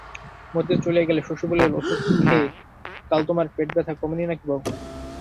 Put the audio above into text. মতি চলিয়া গেলে শশী বলিল, ওষুধ খেয়ে কাল তোমার পেটব্যথা কমেনি নাকি বৌ?